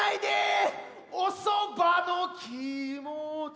おそばの気持ち。